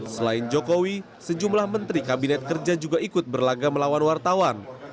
selain jokowi sejumlah menteri kabinet kerja juga ikut berlaga melawan wartawan